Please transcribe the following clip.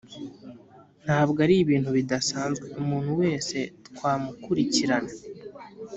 ntabwo ari ibintu bidasanzwe umuntu wese twamukurikirana